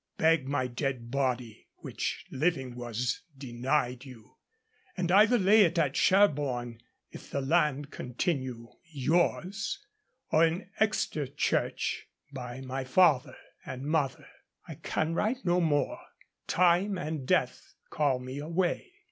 Beg my dead body, which living was denied you; and either lay it at Sherborne, if the land continue [yours], or in Exeter Church, by my father and mother. I can write no more. Time and Death call me away.